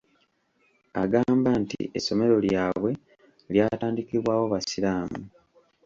Agamba nti essomero lyabwe lyatandikibwawo Basiraamu.